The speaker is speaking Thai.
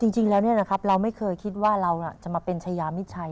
จริงแล้วเราไม่เคยคิดว่าเราจะมาเป็นชายามิดชัย